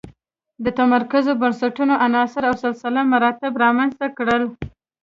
د متمرکزو بنسټونو عناصر او سلسله مراتب رامنځته کړل.